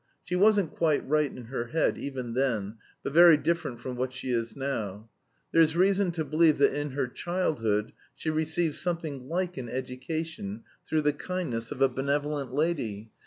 She wasn't quite right in her head even then, but very different from what she is now. There's reason to believe that in her childhood she received something like an education through the kindness of a benevolent lady.